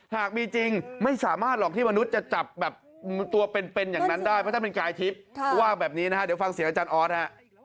ว่างแบบนี้นะฮะเดี๋ยวฟังเสียอาจารย์ออสฮะ